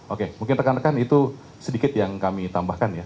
oke mungkin rekan rekan itu sedikit yang kami tambahkan ya